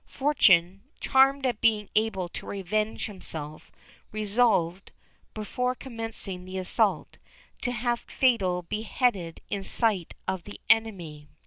Fortuné, charmed at being able to revenge himself, resolved, before commencing the assault, to have Fatal beheaded in sight of the enemy.